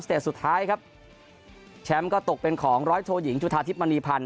เต็ดสุดท้ายครับแชมป์ก็ตกเป็นของร้อยโทยิงจุธาทิพย์มณีพันธ